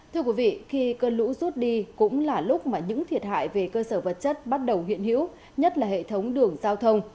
thưa quý vị khi cơn lũ rút đi cũng là lúc mà những thiệt hại về cơ sở vật chất bắt đầu hiện hữu nhất là hệ thống đường giao thông